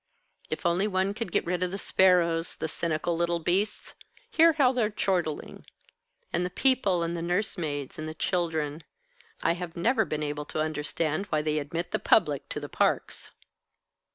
If only one could get rid of the sparrows the cynical little beasts! hear how they're chortling and the people, and the nursemaids and children. I have never been able to understand why they admit the public to the parks."